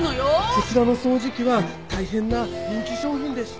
こちらの掃除機は大変な人気商品でして。